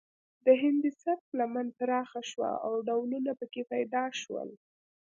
د هندي سبک لمن پراخه شوه او ډولونه پکې پیدا شول